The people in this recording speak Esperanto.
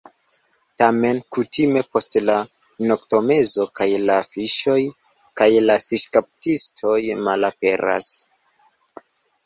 Tamen kutime post la noktomezo kaj la fiŝoj, kaj la fiŝkaptistoj malaperas.